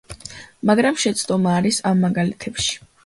მაგრამ შეცდომა არის ამ მაგალითებში.